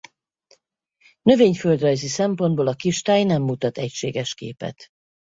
Növényföldrajzi szempontból a kistáj nem mutat egységes képet.